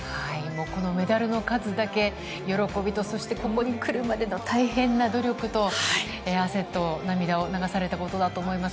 このメダルの数だけ喜びと、ここに来るまでの大変な努力と、汗と涙を流されたことだと思います。